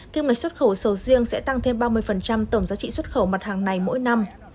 kim ngạch xuất khẩu sầu riêng sẽ tăng thêm ba mươi tổng giá trị xuất khẩu mặt hàng này mỗi năm